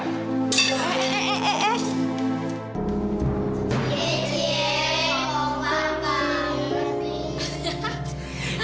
ye ye kompak pak